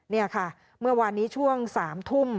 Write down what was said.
นี่ค่ะเมื่อวานนี้ช่วง๓ทุ่ม